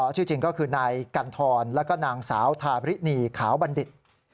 ชื่อจริงก็คือนายกันทรแล้วก็นางสาวทาบรินีขาวบัณฑิต